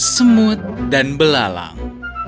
semut dan belalang